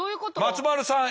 松丸さん